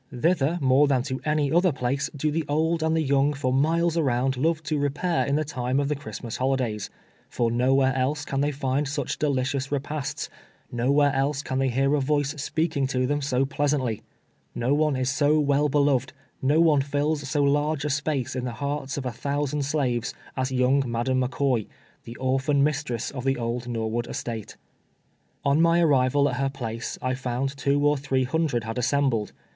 Thither, more than to any other place, do the old and the young for miles around love to repair in the time of the Christmas holidays ; for nowhere else can they find such delicious repasts; nowhere else can they hear a voice speaking to them CHBISTMAS DINNER. 285 80 pleasantly. Ko one is so well beloved — no one fills so large a space in the hearts of a thous'and slaves, as young Madam McCoy, the orphan mistress of the old Norwood estate. On my arrival at her place, I found two or three hundred had assembled.